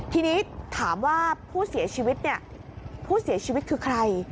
ทีนี้ถามว่าผู้เสียชีวิตเนี่ยผู้เสียชีวิตคือใคร